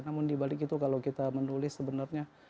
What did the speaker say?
namun di balik itu kalau kita menulis sebenarnya